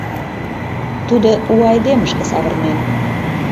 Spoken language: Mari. Тудо у айдемышке савырнен.